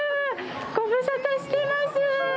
ご無沙汰してます。